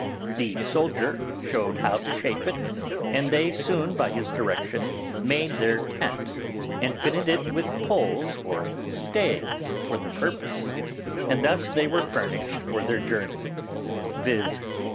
The soldier showed how to shape it, and they soon by his direction made their tent, and fitted it with poles or staves for the purpose; and thus they were furnished for their journey, viz.